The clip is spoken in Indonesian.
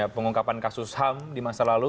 pengungkapan kasus ham di masa lalu